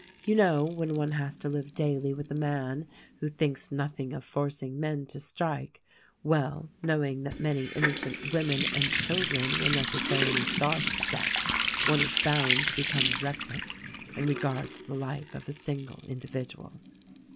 You know, when one has to live daily with a man who thinks nothing of forcing men to strike — well knowing that many innocent women and children will necessarily starve to death — one is bound to become reckless in regard to the life of a single indi vidual.